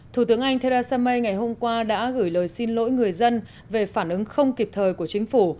thủ tướng anh theresa may ngày hôm qua đã gửi lời xin lỗi người dân về phản ứng không kịp thời của chính phủ